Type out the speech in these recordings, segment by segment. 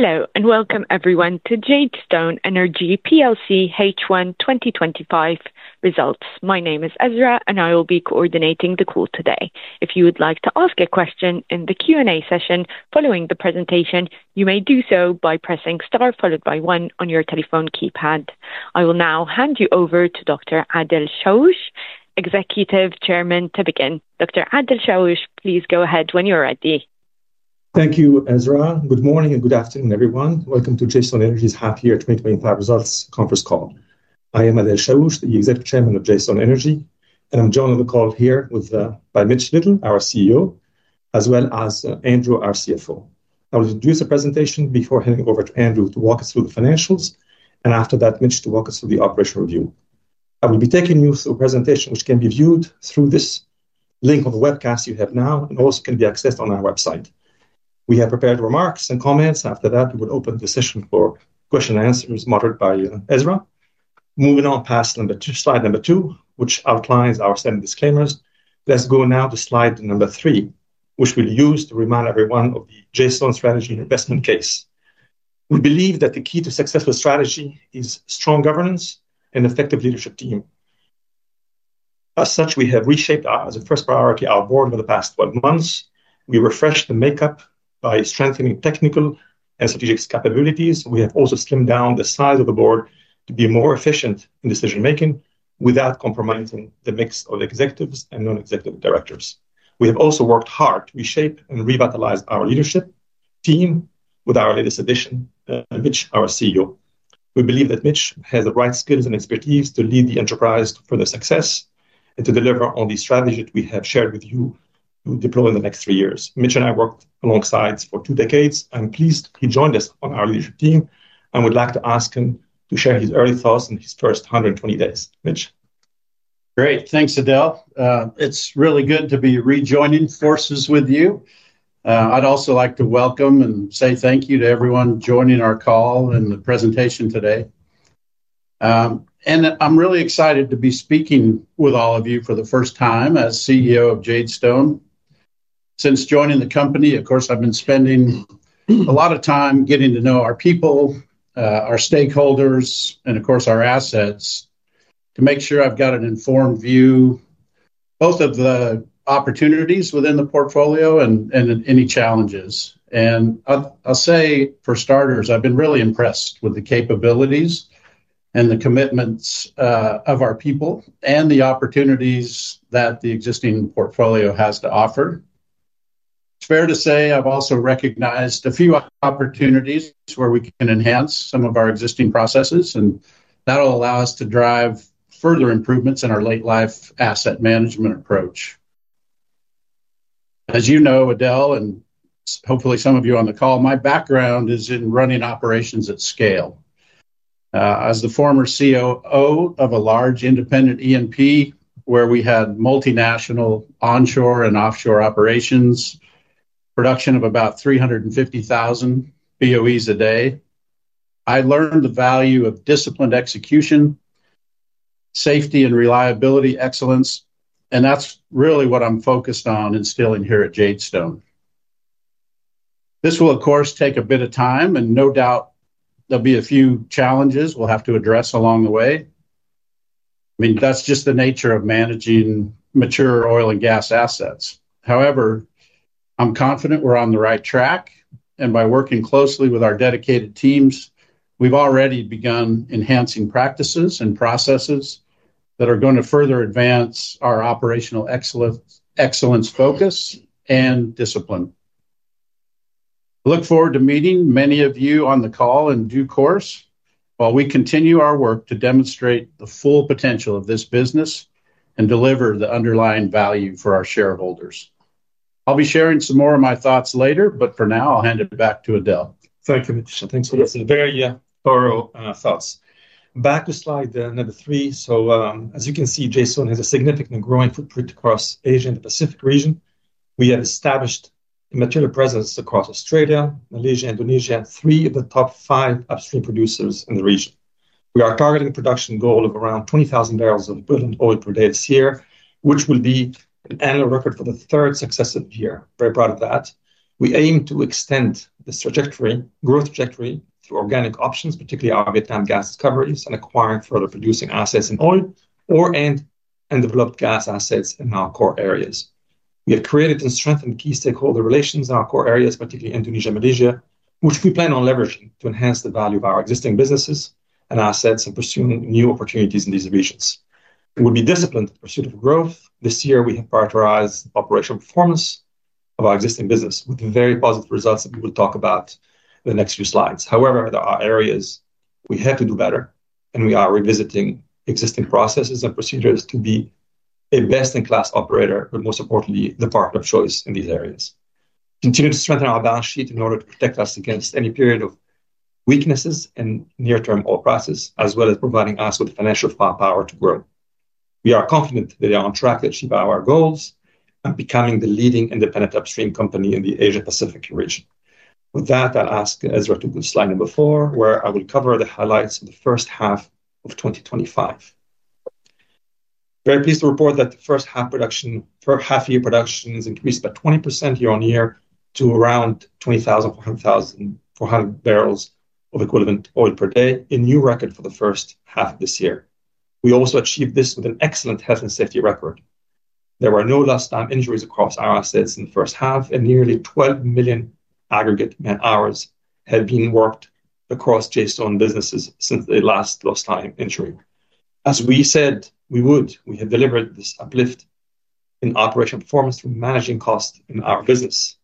Hello and welcome everyone to Jadestone Energy PLC H1 2025 results. My name is Ezra, and I will be coordinating the call today. If you would like to ask a question in the Q&A session following the presentation, you may do so by pressing star followed by one on your telephone keypad. I will now hand you over to Dr. Adel Chaouch, Executive Chairman, to begin. Dr. Adel Chaouch, please go ahead when you're ready. Thank you, Ezra. Good morning and good afternoon, everyone. Welcome to Jadestone Energy's half-year 2025 results conference call. I am Adel Chaouch, the Executive Chairman of Jadestone Energy, and I'm joined on the call here by Mitch Little, our CEO, as well as Andrew, our CFO. I will introduce the presentation before handing over to Andrew to walk us through the financials, and after that, Mitch to walk us through the operational review. I will be taking notes of the presentation, which can be viewed through this link on the webcast you have now, and also can be accessed on our website. We have prepared remarks and comments, and after that, we will open the session for question and answers moderated by Ezra. Moving on past slide number two, which outlines our standing disclaimers, let's go now to slide number three, which we'll use to remind everyone of the Jadestone strategy investment case. We believe that the key to successful strategy is strong governance and an effective leadership team. As such, we have reshaped our first priority, our board, over the past 12 months. We refreshed the makeup by strengthening technical and strategic capabilities. We have also slimmed down the size of the board to be more efficient in decision-making without compromising the mix of executives and non-executive directors. We have also worked hard to reshape and revitalize our leadership team with our latest addition, Mitch, our CEO. We believe that Mitch has the right skills and expertise to lead the enterprise for the success and to deliver on the strategy we have shared with you to deploy in the next three years. Mitch and I worked alongside for two decades. I'm pleased he joined us on our leadership team and would like to ask him to share his early thoughts in his first 120 days. Mitch. Great, thanks, Adel. It's really good to be rejoining forces with you. I'd also like to welcome and say thank you to everyone joining our call and the presentation today. I'm really excited to be speaking with all of you for the first time as CEO of Jadestone. Since joining the company, of course, I've been spending a lot of time getting to know our people, our stakeholders, and of course, our assets to make sure I've got an informed view, both of the opportunities within the portfolio and any challenges. I'll say for starters, I've been really impressed with the capabilities and the commitments of our people and the opportunities that the existing portfolio has to offer. It's fair to say I've also recognized a few opportunities where we can enhance some of our existing processes, and that'll allow us to drive further improvements in our late-life asset management approach. As you know, Adel, and hopefully some of you on the call, my background is in running operations at scale. As the former COO of a large independent E&P, where we had multinational onshore and offshore operations, production of about 350,000 BOEs a day, I learned the value of disciplined execution, safety, and reliability excellence, and that's really what I'm focused on instilling here at Jadestone. This will, of course, take a bit of time, and no doubt there'll be a few challenges we'll have to address along the way. That's just the nature of managing mature oil and gas assets. However, I'm confident we're on the right track, and by working closely with our dedicated teams, we've already begun enhancing practices and processes that are going to further advance our operational excellence, excellence focus, and discipline. I look forward to meeting many of you on the call in due course while we continue our work to demonstrate the full potential of this business and deliver the underlying value for our shareholders. I'll be sharing some more of my thoughts later, but for now, I'll hand it back to Adel. Thank you, Mitch. Thanks for the very thorough thoughts. Back to slide number three. As you can see, Jadestone has a significant growing footprint across Asia and the Pacific region. We have established a material presence across Australia, Malaysia, and Indonesia, three of the top five upstream producers in the region. We are targeting a production goal of around 20,000 barrels of oil per day this year, which will be an annual record for the third successive year. Very proud of that. We aim to extend this growth trajectory through organic options, particularly our Vietnam gas discoveries, and acquiring further producing assets in oil and developed gas assets in our core areas. We have created and strengthened key stakeholder relations in our core areas, particularly Indonesia and Malaysia, which we plan on leveraging to enhance the value of our existing businesses and assets and pursue new opportunities in these regions. We'll be disciplined in the pursuit of growth. This year, we have prioritized operational performance of our existing business with very positive results that we will talk about in the next few slides. However, there are areas we had to do better, and we are revisiting existing processes and procedures to be a best-in-class operator, but most importantly, the partner of choice in these areas. Continue to strengthen our balance sheet in order to protect us against any period of weaknesses in near-term oil prices, as well as providing us with the financial firepower to grow. We are confident that we are on track to achieve our goals and becoming the leading independent upstream company in the Asia-Pacific region. With that, I'll ask Ezra to move to slide number four, where I will cover the highlights of the first half of 2025. Very pleased to report that the first half production per half-year production has increased by 20% year on year to around 20,400 barrels of oil equivalent per day, a new record for the first half of this year. We also achieved this with an excellent health and safety record. There were no lost time injuries across our assets in the first half, and nearly 12 million aggregate man-hours have been worked across Jadestone businesses since the last lost time injury. As we said we would, we have delivered this uplift in operational performance from managing costs in our business.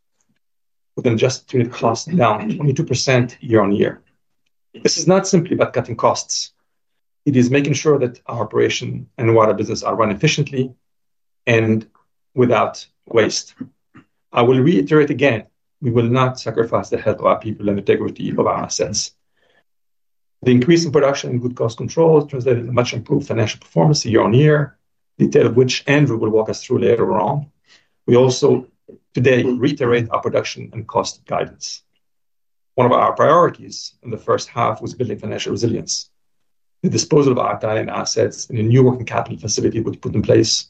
We're going to adjust operating costs down 22% year on year. This is not simply about cutting costs. It is making sure that our operation and water business are run efficiently and without waste. I will reiterate again, we will not sacrifice the health of our people and the integrity of our assets. The increase in production and good cost control translated in much improved financial performance year on year, the detail of which Andrew will walk us through later on. We also today will reiterate our production and cost guidance. One of our priorities in the first half was building financial resilience. The disposal of our time and assets and a new working capital facility we put in place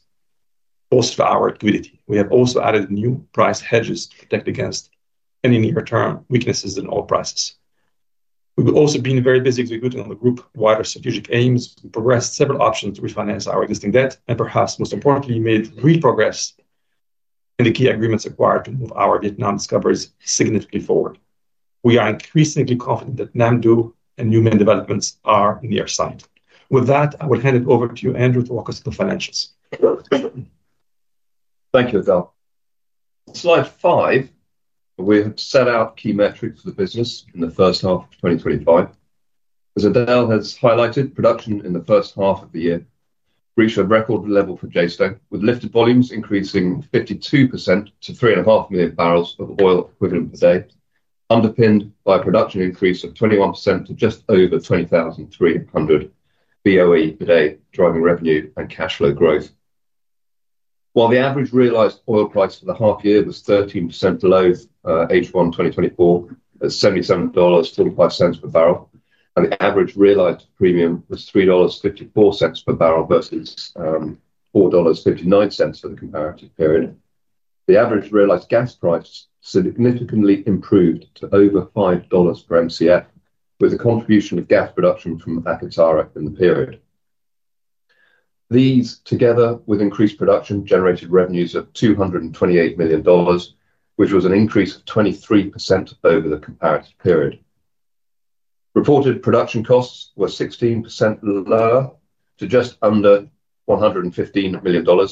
bolstered our liquidity. We have also added new price hedges to protect against any near-term weaknesses in oil prices. We've also been very busy executing on the group wider strategic aims and progressed several options to refinance our existing debt, and perhaps most importantly, we made great progress in the key agreements required to move our Vietnam discoveries significantly forward. We are increasingly confident that Nam Du and U Minh developments are in the airslide. With that, I will hand it over to Andrew to walk us through the financials. Thank you, Adel. Slide five, we set out key metrics for the business in the first half of 2025. As Adel has highlighted, production in the first half of the year reached a record level for Jadestone, with lifted volumes increasing 52% to 3.5 million barrels of oil equivalent per day, underpinned by a production increase of 21% to just over 20,300 BOE per day, driving revenue and cash flow growth. While the average realized oil price for the half year was 13% below H1 2024 at $77.35 per barrel, and the average realized premium was $3.54 per barrel versus $4.59 for the comparative period, the average realized gas price significantly improved to over $5 per MCF, with a contribution to gas production from Akatara in the period. These, together with increased production, generated revenues of $228 million, which was an increase of 23% over the comparative period. Reported production costs were 16% lower, to just under $115 million.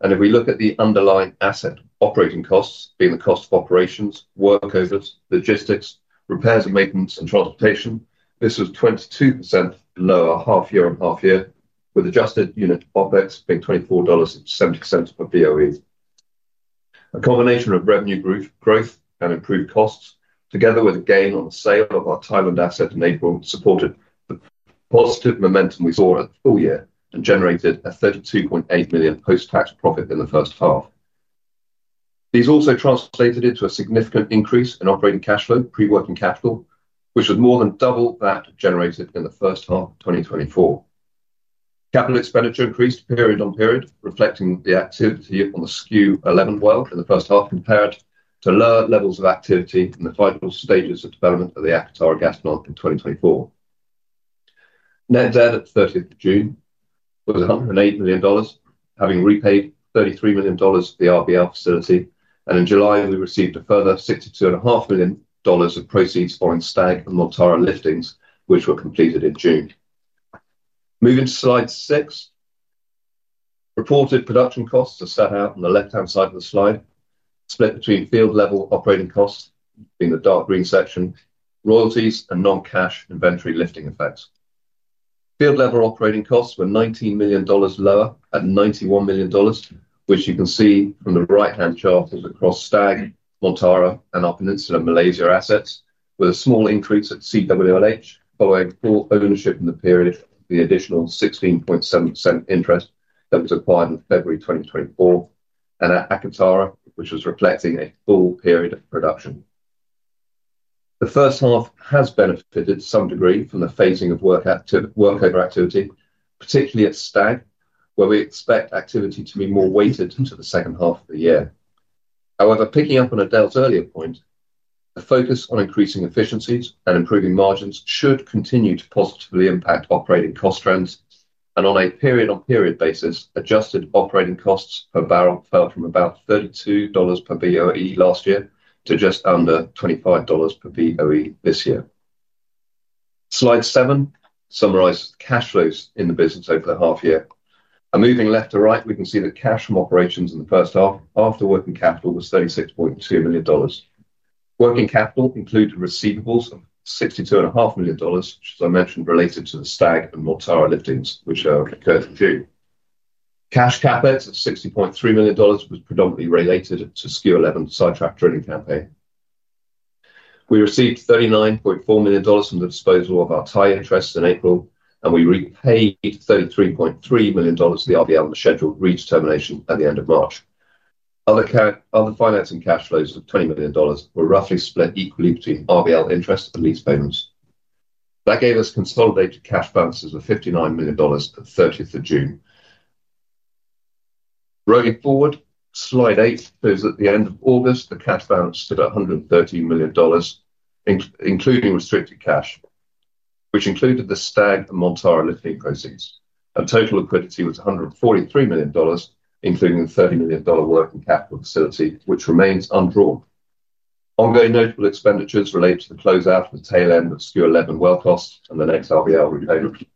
If we look at the underlying asset operating costs, being the cost of operations, work codes, logistics, repairs and maintenance, and transportation, this was 22% lower half year on half year, with adjusted unit profits being $24.70 per BOE. A combination of revenue growth and improved costs, together with a gain on the sale of our Thailand asset in April, supported the positive momentum we saw at the full year and generated a $32.8 million post-tax profit in the first half. These also translated into a significant increase in operating cash flow pre-working capital, which was more than double that generated in the first half of 2024. Capital expenditure increased in a very long period, reflecting the activity on the SKK 11 well in the first half compared to lower levels of activity in the final stages of development of the Akatara gas plant in 2024. Net debt at the 30th of June was $108 million, having repaid $33 million for the RBL facility. In July, we received a further $62.5 million of proceeds for Stag and Montara liftings, which were completed in June. Moving to slide six, reported production costs are set out on the left-hand side of the slide, split between field-level operating costs, being the dark green section, royalties and non-cash inventory lifting effects. Field-level operating costs were $19 million lower at $91 million, which you can see on the right-hand chart across Stag, Montara, and our Peninsula Malaysia assets, with a small increase at CWLH for ownership in the period of the additional 16.7% interest that was acquired in February 2024, and at Akatara, which was reflecting a full period of production. The first half has benefited to some degree from the phasing of work labor activity, particularly at Stag, where we expect activity to be more weighted into the second half of the year. However, picking up on Adel's earlier point, a focus on increasing efficiencies and improving margins should continue to positively impact operating cost trends. On a period-on-period basis, adjusted operating costs per barrel fell from about $32 per BOE last year to just under $25 per BOE this year. Slide seven summarizes cash flows in the business over the half year. Moving left to right, we can see that cash from operations in the first half after working capital was $36.2 million. Working capital included receivables of $62.5 million, which, as I mentioned, related to the Stag and Montara liftings, which are currently due. Cash capex is $60.3 million, which was predominantly related to SKK 11 sidetrack trading campaign. We received $39.4 million from the disposal of our Thai interests in April, and we repaid $33.3 million to the RBL on the scheduled redetermination at the end of March. Other financing cash flows of $20 million were roughly split equally between RBL interest and lease payments. That gave us consolidated cash balances of $59 million at the 30th of June. Rolling forward, slide eight shows that at the end of August, the cash balance stood at $130 million, including restricted cash, which included the Stag and Montara lifting proceeds. Our total liquidity was $143 million, including the $30 million working capital facility, which remains undrawn. Ongoing notable expenditures relate to the closeout of the tail end of SKK 11 well costs and the next RBL repayment.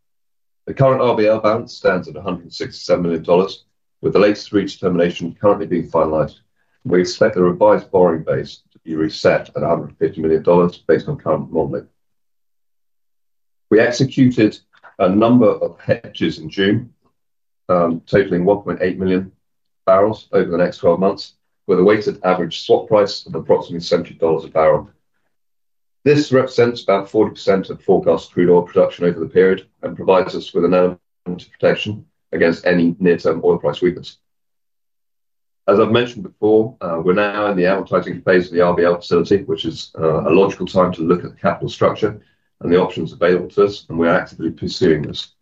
The current RBL balance stands at $167 million, with the latest redetermination currently being finalized. We expect the revised borrowing base to be reset at $150 million based on current modeling. We executed a number of hedges in June, totaling 1.8 million barrels over the next 12 months, with a weighted average swap price of approximately $70 a barrel. This represents about 40% of forecast crude oil production over the period and provides us with enough protection against any near-term oil price weakness. As I've mentioned before, we're now in the amortizing phase of the RBL facility, which is a logical time to look at the capital structure and the options available to us, and we're actively pursuing this.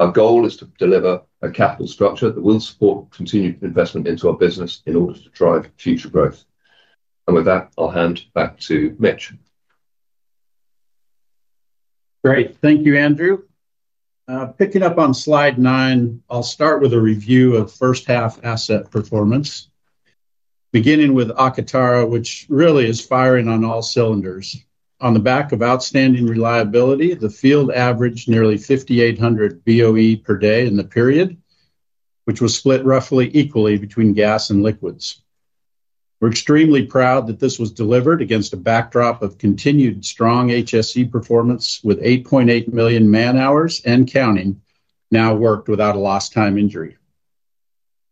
Our goal is to deliver a capital structure that will support continued investment into our business in order to drive future growth. With that, I'll hand back to Mitch. Great, thank you, Andrew. Picking up on slide nine, I'll start with a review of first-half asset performance, beginning with Akatara, which really is firing on all cylinders. On the back of outstanding reliability, the field averaged nearly 5,800 BOE per day in the period, which was split roughly equally between gas and liquids. We're extremely proud that this was delivered against a backdrop of continued strong HSE performance, with 8.8 million man-hours and counting now worked without a lost time injury.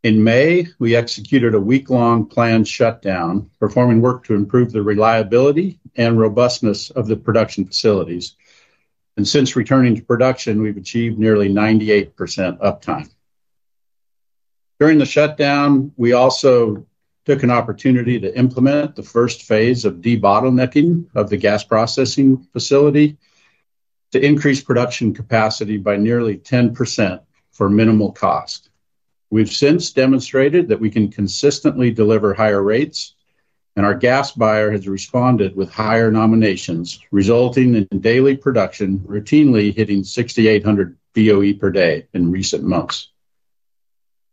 In May, we executed a week-long planned shutdown, performing work to improve the reliability and robustness of the production facilities. Since returning to production, we've achieved nearly 98% uptime. During the shutdown, we also took an opportunity to implement the first phase of debottlenecking of the gas processing facility to increase production capacity by nearly 10% for minimal cost. We've since demonstrated that we can consistently deliver higher rates, and our gas buyer has responded with higher nominations, resulting in daily production routinely hitting 6,800 BOE per day in recent months.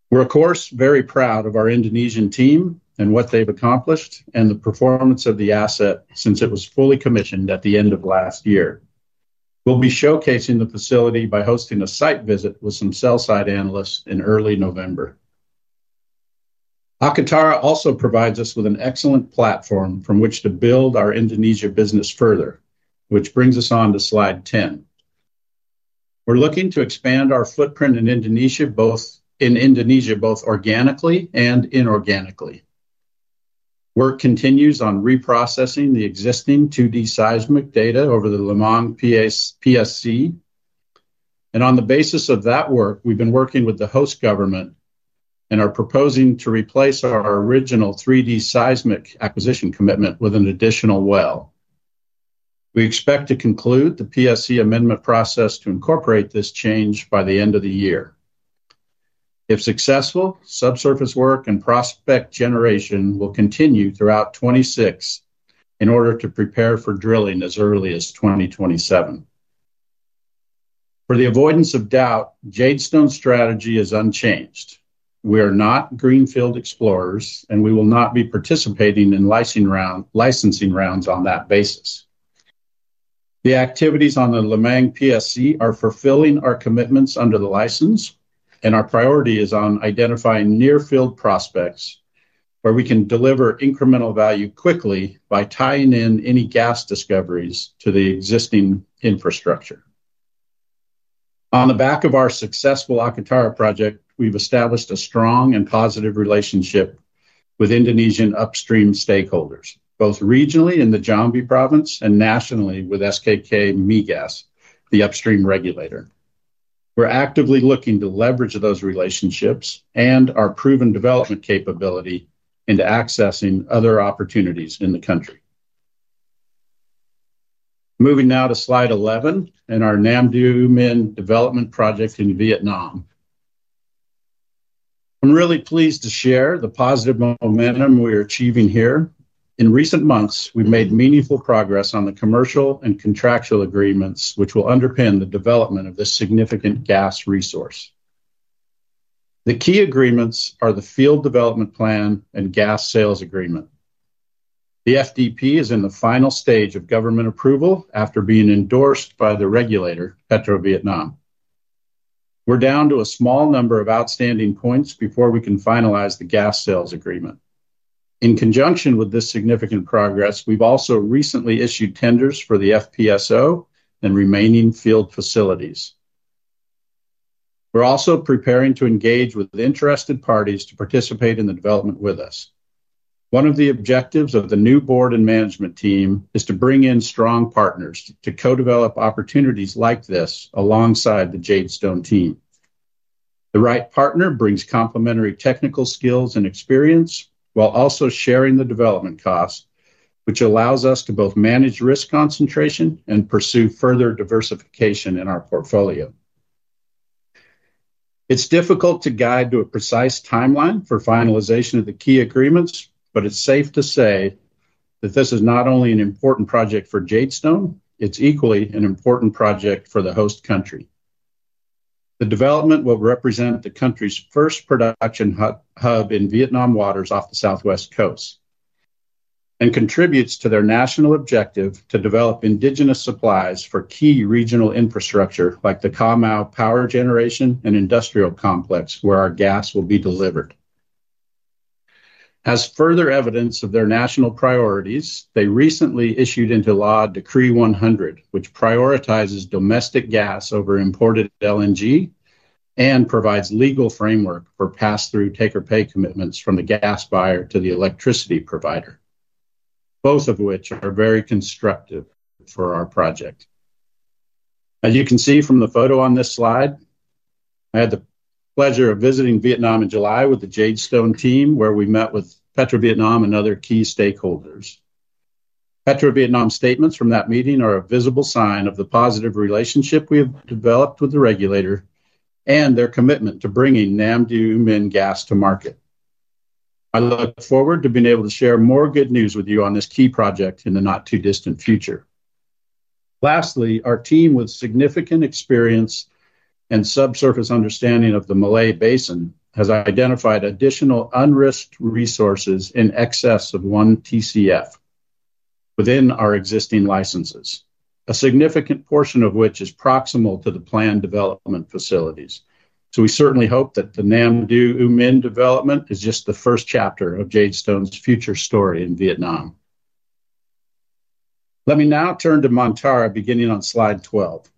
We're, of course, very proud of our Indonesian team and what they've accomplished and the performance of the asset since it was fully commissioned at the end of last year. We'll be showcasing the facility by hosting a site visit with some sell-side analysts in early November. Akatara also provides us with an excellent platform from which to build our Indonesia business further, which brings us on to slide 10. We're looking to expand our footprint in Indonesia, both organically and inorganically. Work continues on reprocessing the existing 2D seismic data over the Lemang PSC. On the basis of that work, we've been working with the host government and are proposing to replace our original 3D seismic acquisition commitment with an additional well. We expect to conclude the PSC amendment process to incorporate this change by the end of the year. If successful, subsurface work and prospect generation will continue throughout 2026 in order to prepare for drilling as early as 2027. For the avoidance of doubt, Jadestone's strategy is unchanged. We are not greenfield explorers, and we will not be participating in licensing rounds on that basis. The activities on the Lemang PSC are fulfilling our commitments under the license, and our priority is on identifying near-field prospects where we can deliver incremental value quickly by tying in any gas discoveries to the existing infrastructure. On the back of our successful Akatara project, we've established a strong and positive relationship with Indonesian upstream stakeholders, both regionally in the Jambi province and nationally with SKK Migas, the upstream regulator. We're actively looking to leverage those relationships and our proven development capability into accessing other opportunities in the country. Moving now to slide 11 and our Nam Du and U Minh development project in Vietnam. I'm really pleased to share the positive momentum we're achieving here. In recent months, we've made meaningful progress on the commercial and contractual agreements, which will underpin the development of this significant gas resource. The key agreements are the Field Development Plan and Gas Sales Agreement. The FDP is in the final stage of government approval after being endorsed by the regulator, PetroVietnam. We're down to a small number of outstanding points before we can finalize the Gas Sales Agreement. In conjunction with this significant progress, we've also recently issued tenders for the FPSO and remaining field facilities. We're also preparing to engage with interested parties to participate in the development with us. One of the objectives of the new Board and management team is to bring in strong partners to co-develop opportunities like this alongside the Jadestone team. The right partner brings complementary technical skills and experience while also sharing the development costs, which allows us to both manage risk concentration and pursue further diversification in our portfolio. It's difficult to guide to a precise timeline for finalization of the key agreements, but it's safe to say that this is not only an important project for Jadestone, it's equally an important project for the host country. The development will represent the country's first production hub in Vietnam waters off the southwest coast and contributes to their national objective to develop indigenous supplies for key regional infrastructure like the Kha Mau power generation and industrial complex where our gas will be delivered. As further evidence of their national priorities, they recently issued into law Decree 100, which prioritizes domestic gas over imported LNG and provides legal framework for pass-through taker pay commitments from the gas buyer to the electricity provider, both of which are very constructive for our project. As you can see from the photo on this slide, I had the pleasure of visiting Vietnam in July with the Jadestone team, where we met with PetroVietnam and other key stakeholders. PetroVietnam statements from that meeting are a visible sign of the positive relationship we have developed with the regulator and their commitment to bringing Nam Du and U Minh gas to market. I look forward to being able to share more good news with you on this key project in the not-too-distant future. Lastly, our team with significant experience and subsurface understanding of the Malay Basin has identified additional unrisked resources in excess of one TCF within our existing licenses, a significant portion of which is proximal to the planned development facilities. We certainly hope that the Nam Du and U Minh development is just the first chapter of Jadestone's future story in Vietnam. Let me now turn to Montara, beginning on slide 12.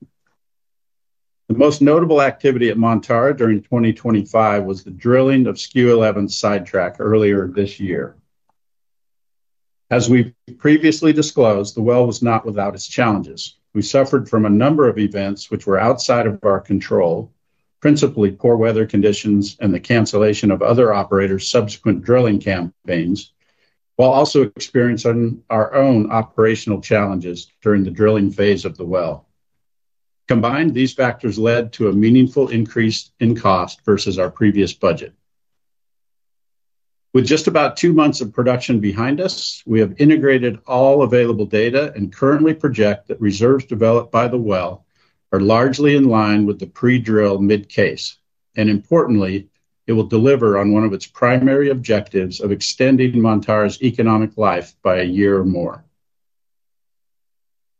The most notable activity at Montara during 2025 was the drilling of SKU 11 sidetrack earlier this year. As we've previously disclosed, the well was not without its challenges. We suffered from a number of events which were outside of our control, principally poor weather conditions and the cancellation of other operators' subsequent drilling campaigns, while also experiencing our own operational challenges during the drilling phase of the well. Combined, these factors led to a meaningful increase in cost versus our previous budget. With just about two months of production behind us, we have integrated all available data and currently project that reserves developed by the well are largely in line with the pre-drill mid-case, and importantly, it will deliver on one of its primary objectives of extending Montara's economic life by a year or more.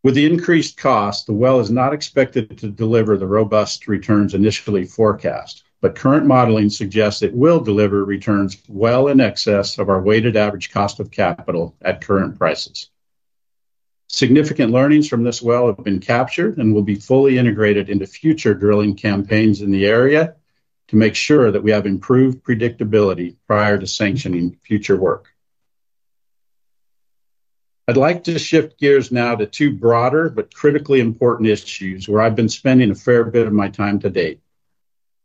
With the increased cost, the well is not expected to deliver the robust returns initially forecast, but current modeling suggests it will deliver returns well in excess of our weighted average cost of capital at current prices. Significant learnings from this well have been captured and will be fully integrated into future drilling campaigns in the area to make sure that we have improved predictability prior to sanctioning future work. I'd like to shift gears now to two broader but critically important issues where I've been spending a fair bit of my time to date,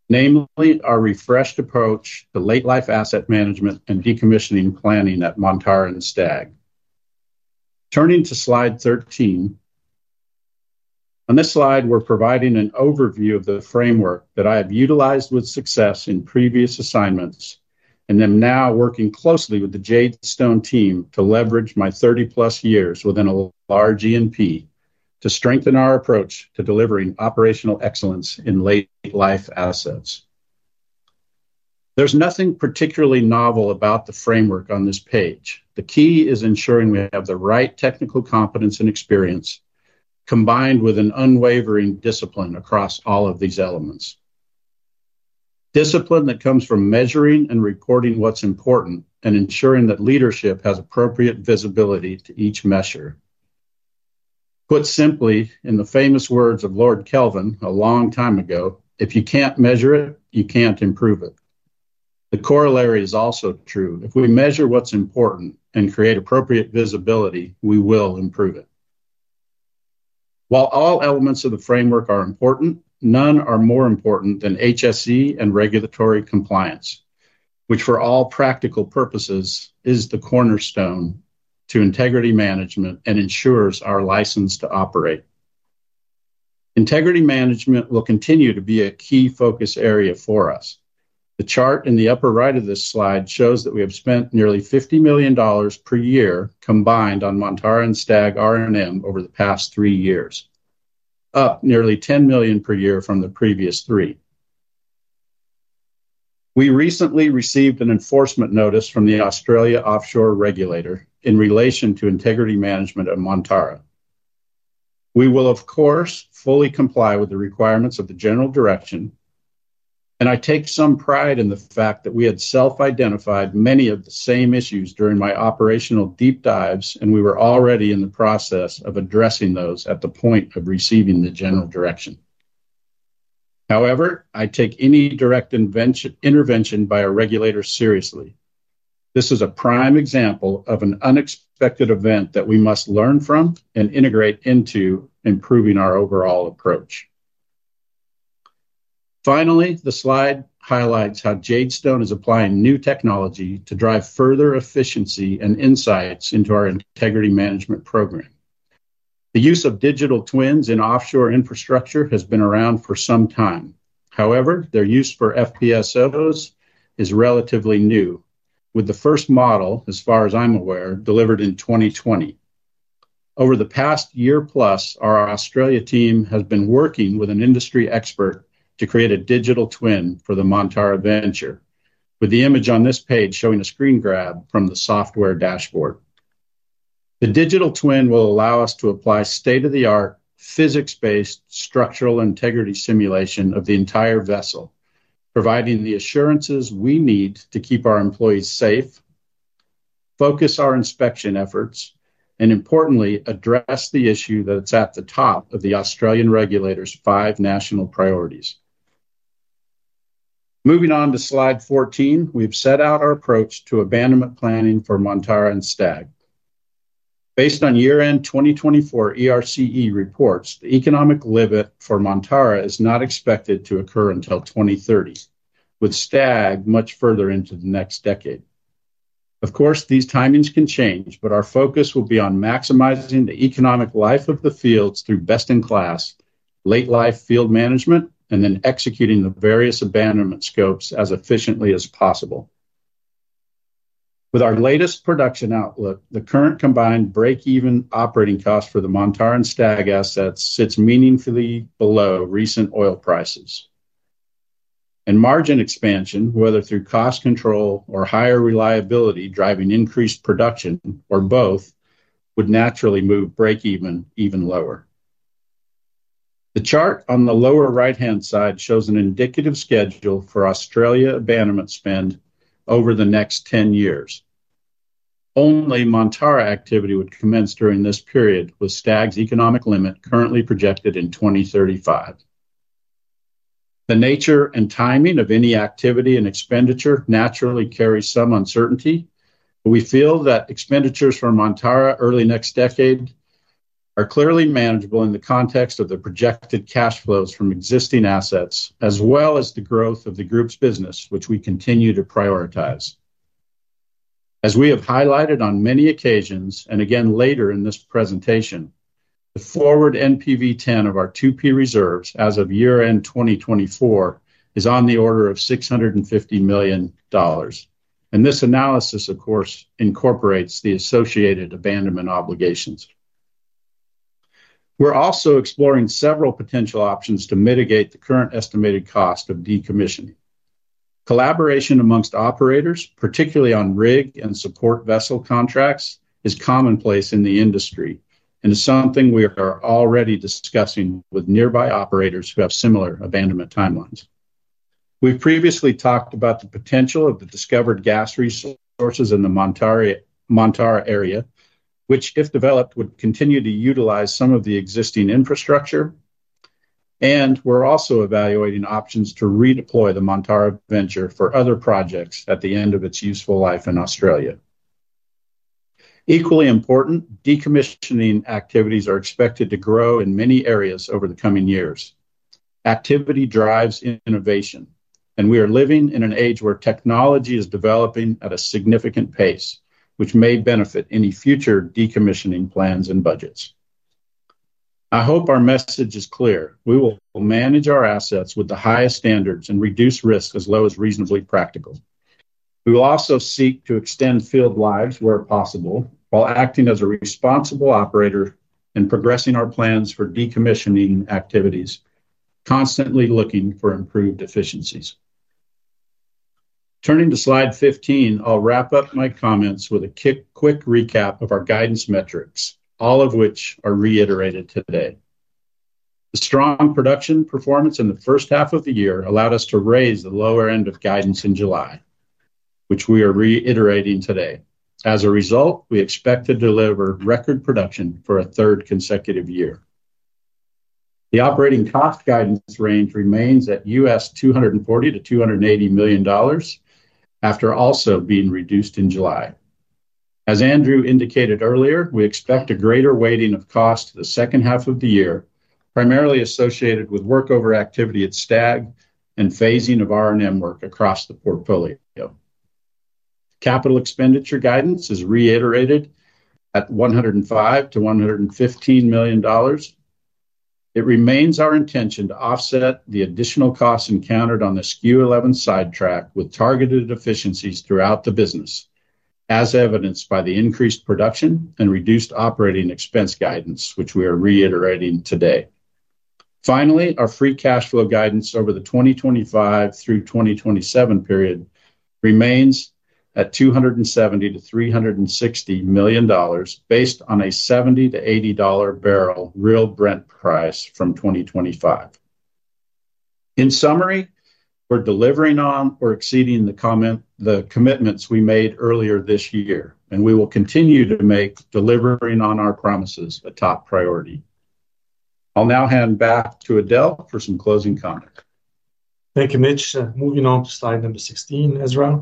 namely our refreshed approach to late-life asset management and decommissioning planning at Montara and Stag. Turning to slide 13, on this slide, we're providing an overview of the framework that I have utilized with success in previous assignments and am now working closely with the Jadestone team to leverage my 30-plus years within a large E&P to strengthen our approach to delivering operational excellence in late-life assets. There's nothing particularly novel about the framework on this page. The key is ensuring we have the right technical competence and experience combined with an unwavering discipline across all of these elements. Discipline that comes from measuring and recording what's important and ensuring that leadership has appropriate visibility to each measure. Put simply, in the famous words of Lord Kelvin a long time ago, "If you can't measure it, you can't improve it." The corollary is also true. If we measure what's important and create appropriate visibility, we will improve it. While all elements of the framework are important, none are more important than HSE and regulatory compliance, which for all practical purposes is the cornerstone to integrity management and ensures our license to operate. Integrity management will continue to be a key focus area for us. The chart in the upper right of this slide shows that we have spent nearly $50 million per year combined on Montara and Stag RNM over the past three years, up nearly $10 million per year from the previous three. We recently received an enforcement notice from the Australia Offshore Regulator in relation to integrity management of Montara. We will, of course, fully comply with the requirements of the General Direction, and I take some pride in the fact that we had self-identified many of the same issues during my operational deep dives, and we were already in the process of addressing those at the point of receiving the General Direction. However, I take any direct intervention by a regulator seriously. This is a prime example of an unexpected event that we must learn from and integrate into improving our overall approach. Finally, the slide highlights how Jadestone is applying new technology to drive further efficiency and insights into our integrity management program. The use of digital twins in offshore infrastructure has been around for some time. However, their use for FPSOs is relatively new, with the first model, as far as I'm aware, delivered in 2020. Over the past year plus, our Australia team has been working with an industry expert to create a digital twin for the Montara venture, with the image on this page showing a screen grab from the software dashboard. The digital twin will allow us to apply state-of-the-art, physics-based structural integrity simulation of the entire vessel, providing the assurances we need to keep our employees safe, focus our inspection efforts, and importantly, address the issue that's at the top of the Australian regulator's five national priorities. Moving on to slide 14, we've set out our approach to abandonment planning for Montara and Stag. Based on year-end 2024 ERCE reports, the economic limit for Montara is not expected to occur until 2030, with Stag much further into the next decade. Of course, these timings can change, but our focus will be on maximizing the economic life of the fields through best-in-class late-life field management and then executing the various abandonment scopes as efficiently as possible. With our latest production outlook, the current combined break-even operating cost for the Montara and Stag assets sits meaningfully below recent oil prices. Margin expansion, whether through cost control or higher reliability driving increased production or both, would naturally move break-even even lower. The chart on the lower right-hand side shows an indicative schedule for Australia abandonment spend over the next 10 years. Only Montara activity would commence during this period with Stag's economic limit currently projected in 2035. The nature and timing of any activity and expenditure naturally carry some uncertainty, but we feel that expenditures from Montara early next decade are clearly manageable in the context of the projected cash flows from existing assets, as well as the growth of the group's business, which we continue to prioritize. As we have highlighted on many occasions and again later in this presentation, the forward NPV 10 of our 2P reserves as of year-end 2024 is on the order of $650 million. This analysis, of course, incorporates the associated abandonment obligations. We're also exploring several potential options to mitigate the current estimated cost of decommissioning. Collaboration amongst operators, particularly on rig and support vessel contracts, is commonplace in the industry and is something we are already discussing with nearby operators who have similar abandonment timelines. We've previously talked about the potential of the discovered gas resources in the Montara area, which, if developed, would continue to utilize some of the existing infrastructure. We're also evaluating options to redeploy the Montara venture for other projects at the end of its useful life in Australia. Equally important, decommissioning activities are expected to grow in many areas over the coming years. Activity drives innovation, and we are living in an age where technology is developing at a significant pace, which may benefit any future decommissioning plans and budgets. I hope our message is clear. We will manage our assets with the highest standards and reduce risk as low as reasonably practical. We will also seek to extend field lives where possible while acting as a responsible operator and progressing our plans for decommissioning activities, constantly looking for improved efficiencies. Turning to slide 15, I'll wrap up my comments with a quick recap of our guidance metrics, all of which are reiterated today. The strong production performance in the first half of the year allowed us to raise the lower end of guidance in July, which we are reiterating today. As a result, we expect to deliver record production for a third consecutive year. The operating cost guidance range remains at $240 million to $280 million after also being reduced in July. As Andrew indicated earlier, we expect a greater weighting of costs to the second half of the year, primarily associated with workover activity at Stag and phasing of RNM work across the portfolio. Capital expenditure guidance is reiterated at $105 million to $115 million. It remains our intention to offset the additional costs encountered on the SKK 11 sidetrack with targeted efficiencies throughout the business, as evidenced by the increased production and reduced operating expense guidance, which we are reiterating today. Finally, our free cash flow guidance over the 2025 through 2027 period remains at $270 million to $360 million based on a $70 to $80 per barrel real Brent price from 2025. In summary, we're delivering on or exceeding the commitments we made earlier this year, and we will continue to make delivering on our promises a top priority. I'll now hand back to Adel for some closing comments. Thank you, Mitch. Moving on to slide number 16, Ezra.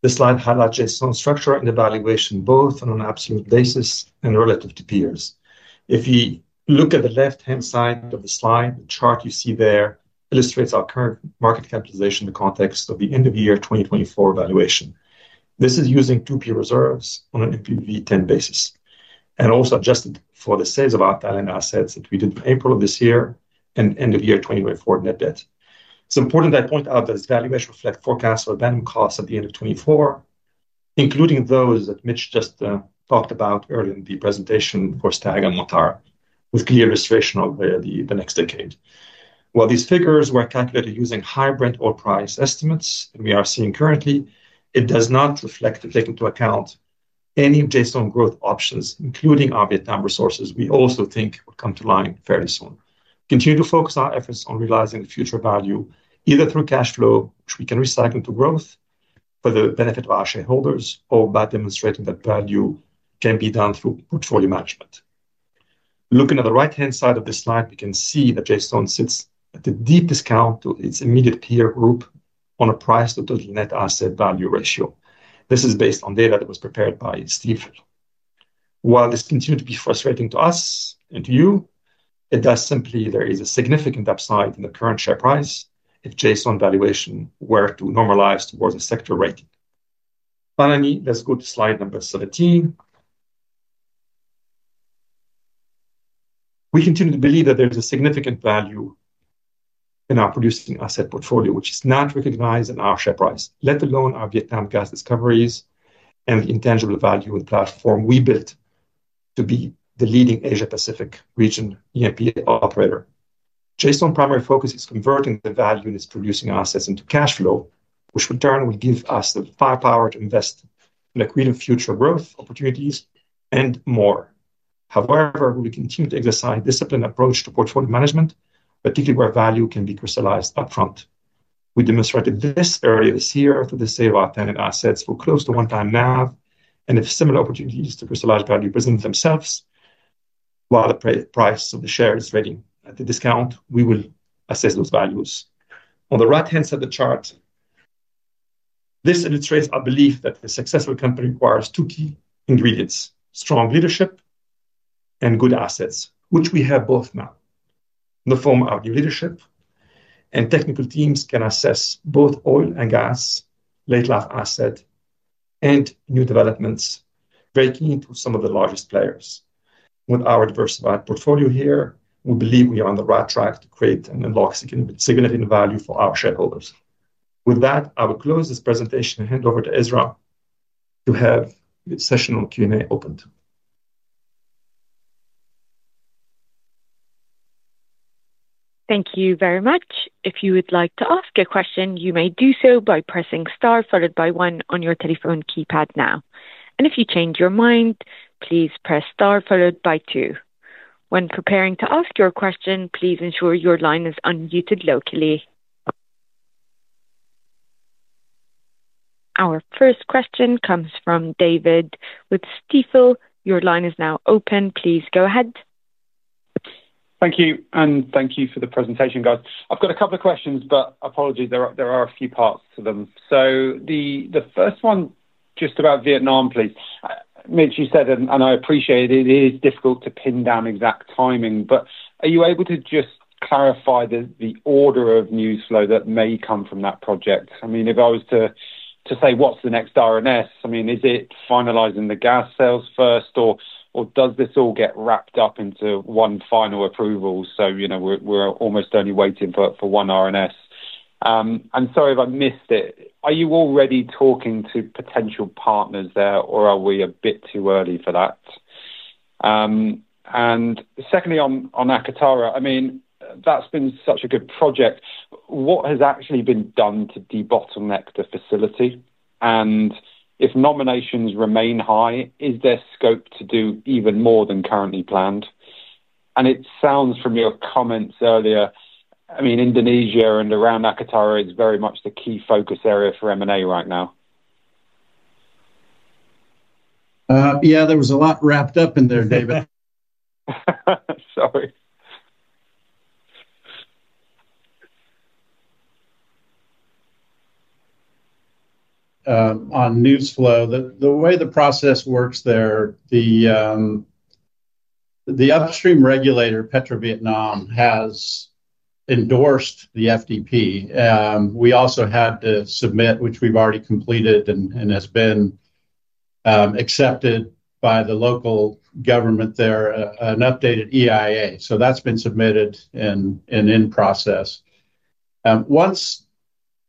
This slide highlights Jadestone's structure and evaluation both on an absolute basis and relative to peers. If you look at the left-hand side of the slide, the chart you see there illustrates our current market capitalization in the context of the end-of-year 2024 evaluation. This is using 2P reserves on an NPV 10 basis and also adjusted for the sales of outstanding assets that we did in April of this year and end-of-year 2024 net debt. It's important that I point out that this valuation reflects forecasts of abandonment costs at the end of 2024, including those that Mitch just talked about earlier in the presentation for Stag and Montara, with clear illustration of the next decade. While these figures were calculated using high Brent oil price estimates that we are seeing currently, it does not reflect or take into account any Jadestone growth options, including our Vietnam resources, which we also think will come to line fairly soon. We continue to focus our efforts on realizing future value either through cash flow, which we can recycle to growth for the benefit of our shareholders, or by demonstrating that value can be done through portfolio management. Looking at the right-hand side of this slide, we can see that Jadestone sits at the deepest count of its immediate peer group on a price-to-net asset value ratio. This is based on data that was prepared by Stifel. While this continues to be frustrating to us and to you, it does simply mean there is a significant upside in the current share price if Jadestone's valuation were to normalize towards a sector rating. Finally, let's go to slide number 17. We continue to believe that there is a significant value in our producing asset portfolio, which is not recognized in our share price, let alone our Vietnam gas discoveries and the intangible value in the platform we built to be the leading Asia-Pacific region E&P operator. Jadestone's primary focus is converting the value in its producing assets into cash flow, which in turn will give us the firepower to invest in equity and future growth opportunities and more. However, we will continue to exercise a disciplined approach to portfolio management, particularly where value can be crystallized upfront. We demonstrated this earlier this year through the sale of our abandoned assets for close to one time now, and if similar opportunities to crystallize value present themselves, while the price of the shares is ready at the discount, we will assess those values. On the right-hand side of the chart, this illustrates our belief that a successful company requires two key ingredients: strong leadership and good assets, which we have both now in the form of our new leadership. Technical teams can assess both oil and gas, late-life assets, and new developments very keen to some of the largest players. With our diversified portfolio here, we believe we are on the right track to create and unlock significant value for our shareholders. With that, I will close this presentation and hand over to Ezra to have the session on Q&A opened. Thank you very much. If you would like to ask a question, you may do so by pressing star followed by one on your telephone keypad now. If you change your mind, please press star followed by two. When preparing to ask your question, please ensure your line is unmuted locally. Our first question comes from David with Stifel Financial Corp. Your line is now open. Please go ahead. Thank you, and thank you for the presentation, Gerd. I've got a couple of questions, but apologies, there are a few parts to them. The first one just about Vietnam, please. Mitch, you said, and I appreciate it, it is difficult to pin down exact timing, but are you able to just clarify the order of news flow that may come from that project? I mean, if I was to say what's the next R&S, is it finalizing the gas sales first, or does this all get wrapped up into one final approval? We're almost only waiting for one R&S. Sorry if I missed it, are you already talking to potential partners there, or are we a bit too early for that? Secondly, on Akatara, that's been such a good project. What has actually been done to debottleneck the facility? If nominations remain high, is there scope to do even more than currently planned? It sounds from your comments earlier, Indonesia and around Akatara, it's very much the key focus area for M&A right now. Yeah, there was a lot wrapped up in there, David. Sorry. On news flow, the way the process works there, the upstream regulator, PetroVietnam, has endorsed the FDP. We also had to submit, which we've already completed and has been accepted by the local government there, an updated EIA. That's been submitted and in process. Once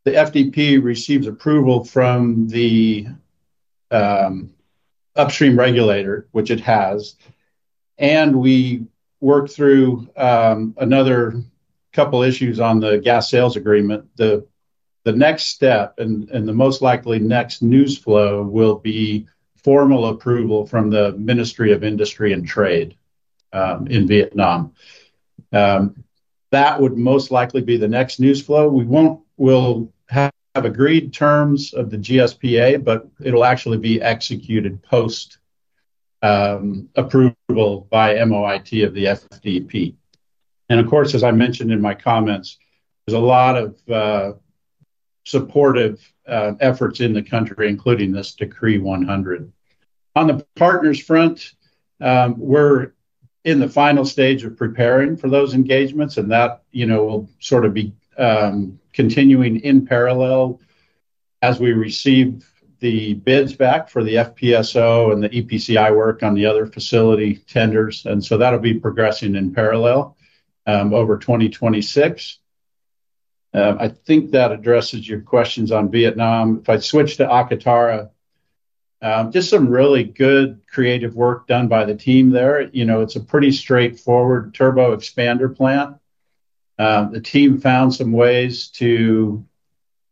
the FDP receives approval from the upstream regulator, which it has, and we work through another couple of issues on the gas sales agreement, the next step and the most likely next news flow will be formal approval from the Ministry of Industry and Trade in Vietnam. That would most likely be the next news flow. We won't have agreed terms of the GSPA, but it'll actually be executed post-approval by MOIT of the FDP. Of course, as I mentioned in my comments, there's a lot of supportive efforts in the country, including this Decree 100. On the partners' front, we're in the final stage of preparing for those engagements, and that will sort of be continuing in parallel as we receive the bids back for the FPSO and the EPCI work on the other facility tenders. That'll be progressing in parallel over 2026. I think that addresses your questions on Vietnam. If I switch to Akatara, just some really good creative work done by the team there. It's a pretty straightforward turbo expander plant. The team found some ways to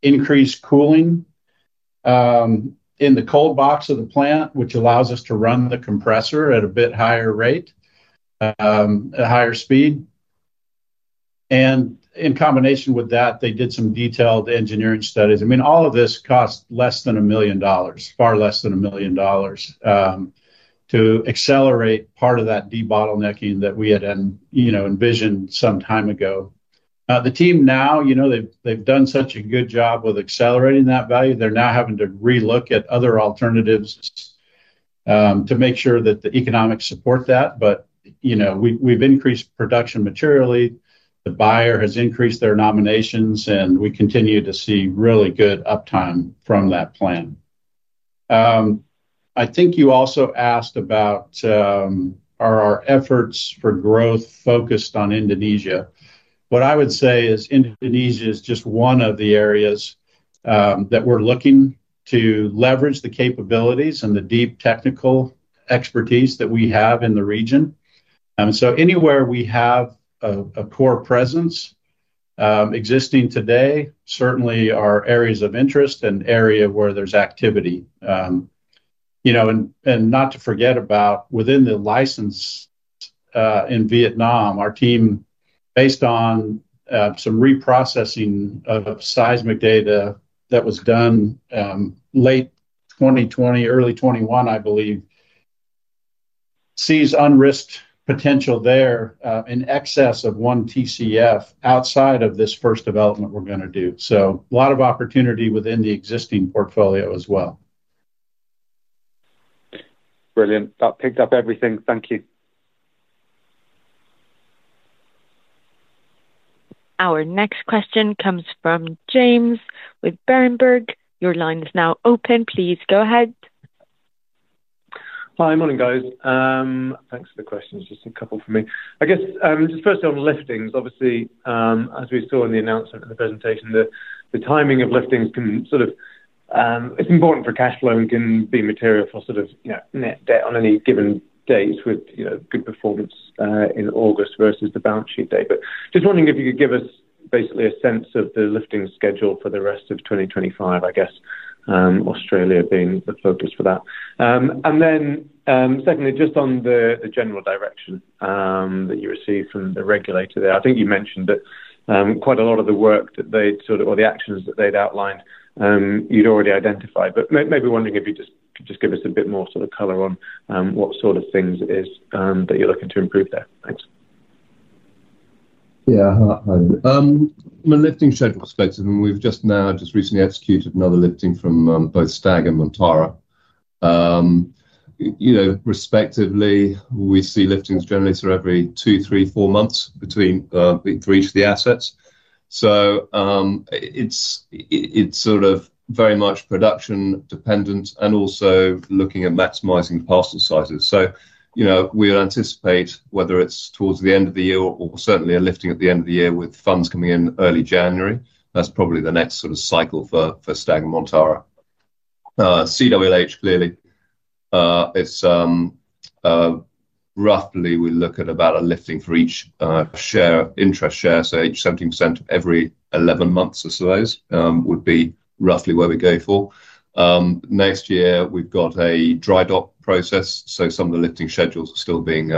increase cooling in the cold box of the plant, which allows us to run the compressor at a bit higher rate, a higher speed. In combination with that, they did some detailed engineering studies. All of this costs less than $1 million, far less than $1 million to accelerate part of that debottlenecking that we had envisioned some time ago. The team now, they've done such a good job with accelerating that value. They're now having to relook at other alternatives to make sure that the economics support that. We've increased production materially. The buyer has increased their nominations, and we continue to see really good uptime from that plant. I think you also asked about our efforts for growth focused on Indonesia. What I would say is Indonesia is just one of the areas that we're looking to leverage the capabilities and the deep technical expertise that we have in the region. Anywhere we have a core presence existing today certainly are areas of interest and areas where there's activity. Not to forget about within the license in Vietnam, our team, based on some reprocessing of seismic data that was done late 2020, early 2021, I believe, sees unrisked potential there in excess of 1 TCF outside of this first development we're going to do. A lot of opportunity within the existing portfolio as well. Brilliant. That picked up everything. Thank you. Our next question comes from James with Berenberg. Your line is now open. Please go ahead. Hi, morning guys. Thanks for the questions. Just a couple for me. I guess just first on liftings. Obviously, as we saw in the announcement and the presentation, the timing of liftings can sort of, it's important for cash flow and can be material for sort of, you know, net debt on any given date with, you know, good performance in August versus the balance sheet date. Just wondering if you could give us basically a sense of the lifting schedule for the rest of 2025, I guess, Australia being the focus for that. Secondly, just on the general direction that you received from the regulator there, I think you mentioned that quite a lot of the work that they'd sort of, or the actions that they'd outlined you'd already identified. Maybe wondering if you could just give us a bit more sort of color on what sort of things it is that you're looking to improve there. Yeah, hi there. From a lifting schedule perspective, we've just now recently executed another lifting from both Stag and Montara. You know, respectively, we see liftings generally every two, three, four months for each of the assets. It is very much production dependent and also looking at maximizing parcel sizes. We would anticipate whether it's towards the end of the year or certainly a lifting at the end of the year with funds coming in early January. That's probably the next cycle for Stag and Montara. CWLH clearly, roughly we look at about a lifting for each interest share, so each 17% every 11 months or so would be roughly where we go for. Next year, we've got a dry dock process, so some of the lifting schedules are still being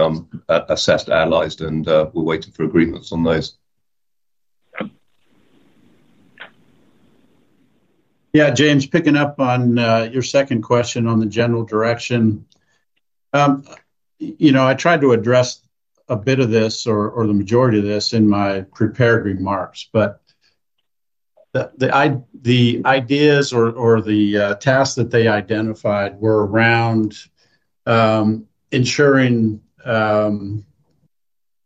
assessed, analyzed, and we're waiting for agreements on those. Yeah, James, picking up on your second question on the general direction. I tried to address a bit of this or the majority of this in my prepared remarks, but the ideas or the tasks that they identified were around ensuring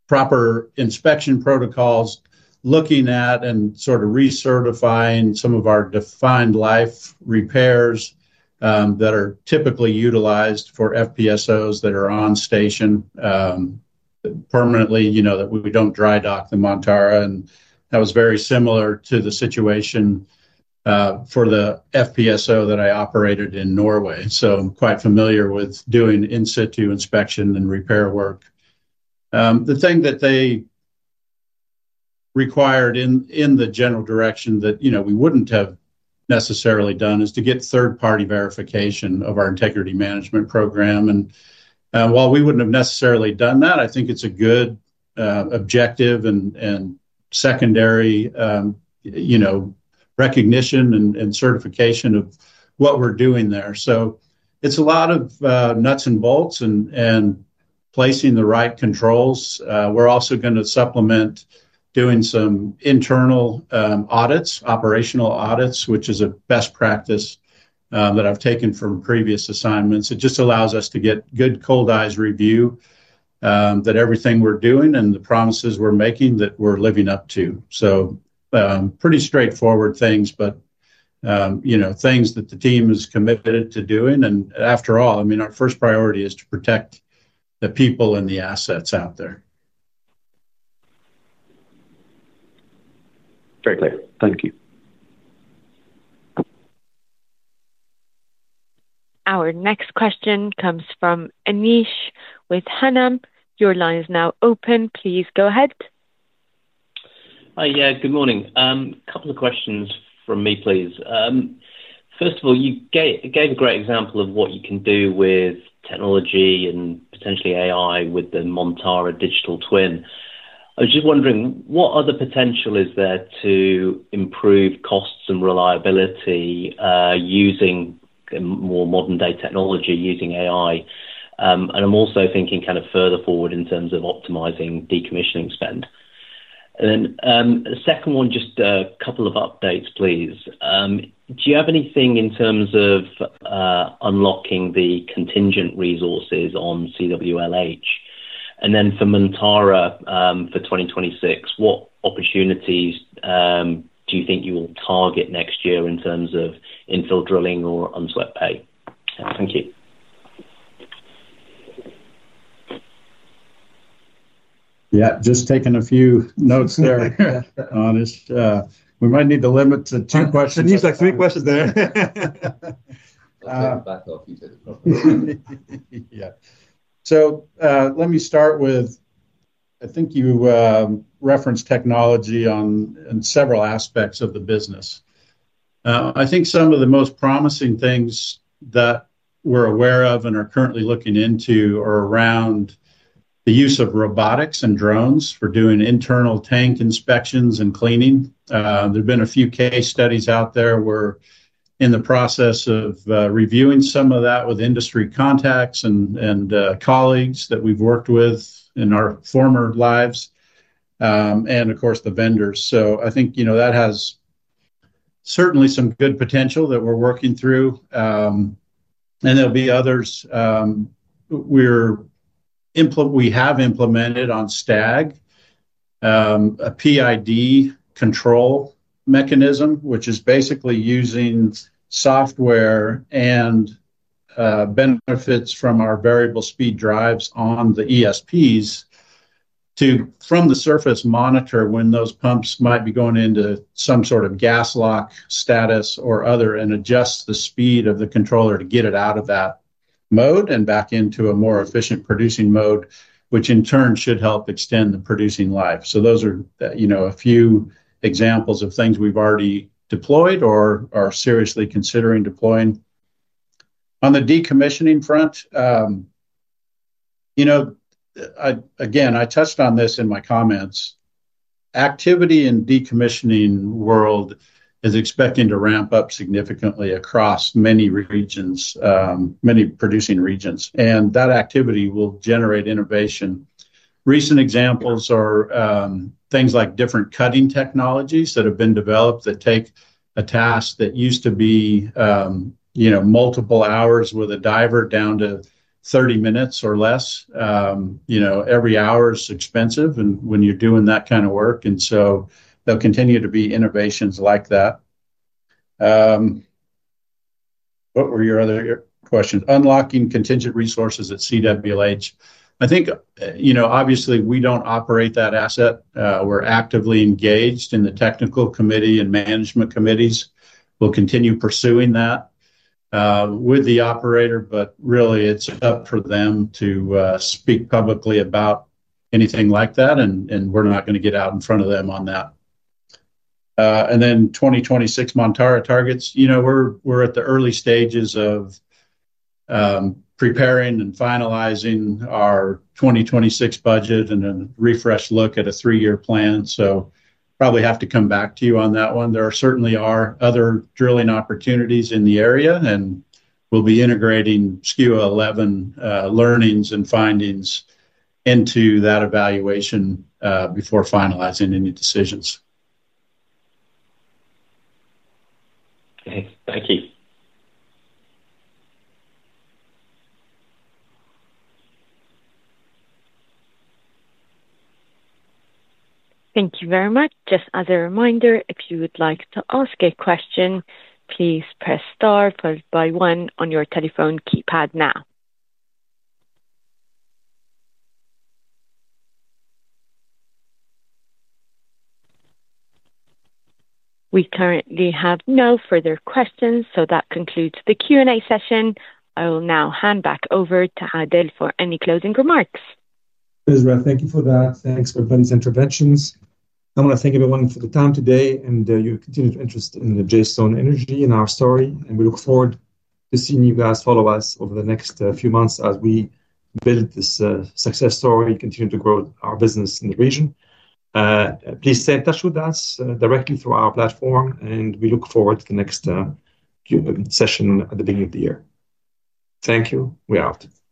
proper inspection protocols, looking at and recertifying some of our defined life repairs that are typically utilized for FPSOs that are on station permanently, you know, that we don't dry dock the Montara. That was very similar to the situation for the FPSO that I operated in Norway. I'm quite familiar with doing in-situ inspection and repair work. The thing that they required in the general direction that we wouldn't have necessarily done is to get third-party verification of our integrity management program. While we wouldn't have necessarily done that, I think it's a good objective and secondary recognition and certification of what we're doing there. It's a lot of nuts and bolts and placing the right controls. We're also going to supplement doing some internal audits, operational audits, which is a best practice that I've taken from previous assignments. It just allows us to get good cold eyes review that everything we're doing and the promises we're making that we're living up to. Pretty straightforward things, but things that the team is committed to doing. After all, our first priority is to protect the people and the assets out there. Very clear. Thank you. Our next question comes from Anish with Hanam. Your line is now open. Please go ahead. Hi, yeah, good morning. A couple of questions from me, please. First of all, you gave a great example of what you can do with technology and potentially AI with the Montara digital twin. I was just wondering, what other potential is there to improve costs and reliability using more modern-day technology, using AI? I'm also thinking kind of further forward in terms of optimizing decommissioning spend. A second one, just a couple of updates, please. Do you have anything in terms of unlocking the contingent resources on CWLH? For Montara for 2026, what opportunities do you think you will target next year in terms of infill drilling or unswept pay? Thank you. Yeah, just taking a few notes there, honest. We might need to limit to two questions. Anish, I think you've got three questions there. Let me start with, I think you referenced technology on several aspects of the business. I think some of the most promising things that we're aware of and are currently looking into are around the use of robotics and drones for doing internal tank inspections and cleaning. There have been a few case studies out there. We're in the process of reviewing some of that with industry contacts and colleagues that we've worked with in our former lives and, of course, the vendors. I think that has certainly some good potential that we're working through. There will be others. We have implemented on Stag a PID control mechanism, which is basically using software and benefits from our variable speed drives on the ESPs to, from the surface, monitor when those pumps might be going into some sort of gas lock status or other and adjust the speed of the controller to get it out of that mode and back into a more efficient producing mode, which in turn should help extend the producing life. Those are a few examples of things we've already deployed or are seriously considering deploying. On the decommissioning front, I touched on this in my comments. Activity in the decommissioning world is expecting to ramp up significantly across many regions, many producing regions, and that activity will generate innovation. Recent examples are things like different cutting technologies that have been developed that take a task that used to be multiple hours with a diver down to 30 minutes or less. Every hour is expensive when you're doing that kind of work. There will continue to be innovations like that. What were your other questions? Unlocking contingent resources at CWLH. Obviously, we don't operate that asset. We're actively engaged in the technical committee and management committees. We'll continue pursuing that with the operator, but really it's up for them to speak publicly about anything like that, and we're not going to get out in front of them on that. Regarding 2026 Montara targets, we're at the early stages of preparing and finalizing our 2026 budget and a refresh look at a three-year plan. I'll probably have to come back to you on that one. There certainly are other drilling opportunities in the area, and we'll be integrating SKU 11 learnings and findings into that evaluation before finalizing any decisions. Thank you. Thank you very much. Just as a reminder, if you would like to ask a question, please press star followed by one on your telephone keypad now. We currently have no further questions, so that concludes the Q&A session. I will now hand back over to Dr. Adel Chaouch for any closing remarks. Thank you for that. Thanks for these interventions. I want to thank everyone for the time today and your continued interest in Jadestone Energy and our story, and we look forward to seeing you guys follow us over the next few months as we build this success story and continue to grow our business in the region. Please stay in touch with us directly through our platform, and we look forward to the next session at the beginning of the year. Thank you. We are out. Thank you.